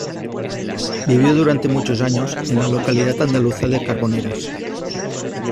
Vivió durante muchos años en la localidad andaluza de Carboneras.